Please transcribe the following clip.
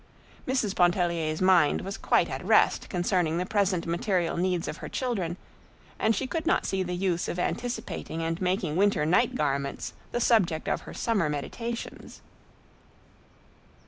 Mrs. Pontellier's mind was quite at rest concerning the present material needs of her children, and she could not see the use of anticipating and making winter night garments the subject of her summer meditations.